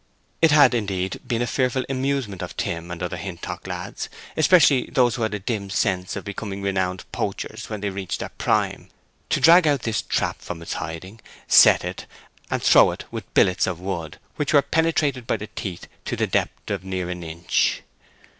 It had, indeed, been a fearful amusement of Tim and other Hintock lads—especially those who had a dim sense of becoming renowned poachers when they reached their prime—to drag out this trap from its hiding, set it, and throw it with billets of wood, which were penetrated by the teeth to the depth of near an inch.